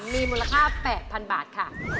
มีมูลค่า๘๐๐๐บาทค่ะ